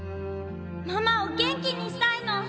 ママを元気にしたいの！